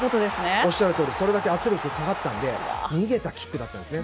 おっしゃるとおりでそれだけ圧力がかかったので逃げたキックだったんですね。